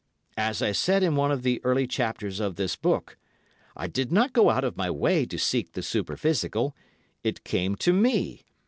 As I said in one of the early chapters of this book, I did not go out of my way to seek the superphysical—it came to me.